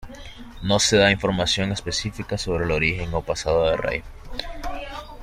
No se da información específica sobre el origen o pasado de Rei.